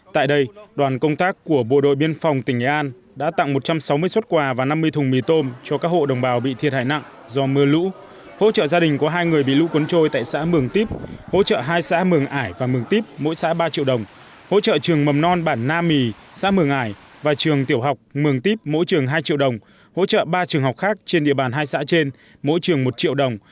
tại đây đoàn công tác của bộ đội biên phòng tỉnh nghệ an đã tặng một trăm sáu mươi suất quà và năm mươi thùng mì tôm cho các hộ đồng bào bị thiệt hại nặng do mưa lũ hỗ trợ gia đình của hai người bị lũ cuốn trôi tại xã mường típ hỗ trợ hai xã mường ải và mường típ mỗi xã ba triệu đồng hỗ trợ trường mầm non bản nam mì xã mường ải và trường tiểu học mường típ mỗi trường hai triệu đồng hỗ trợ ba trường học khác trên địa bàn hai xã trên mỗi trường một triệu đồng